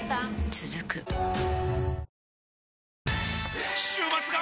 続く週末が！！